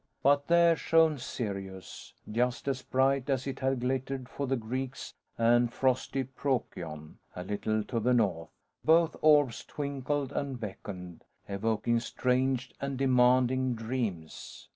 But there shone Sirius, just as bright as it had glittered for the Greeks, and frosty Procyon, a little to the north. Both orbs twinkled and beckoned, evoking strange and demanding dreams!